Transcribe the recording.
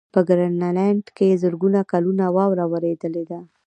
په ګرینلنډ کې زرګونه کلونه واوره ورېدلې ده